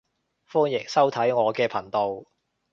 歡迎收睇我嘅頻道